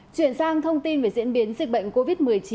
chuyển sang thông tin về diễn biến dịch bệnh covid một mươi chín